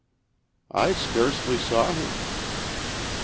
"I scarcely saw him."